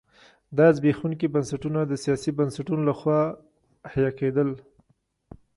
دا زبېښونکي بنسټونه د سیاسي بنسټونو لخوا حیه کېدل.